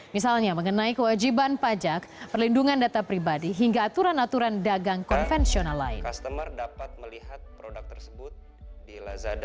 misalnya mengenai kewajiban pajak perlindungan data pribadi hingga aturan aturan dagang konvensional lain